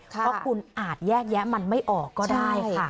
เพราะคุณอาจแยกแยะมันไม่ออกก็ได้ค่ะ